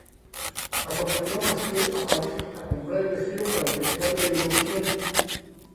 Acompañó a Massiel a París a comprar el vestido para el festival de Eurovisión.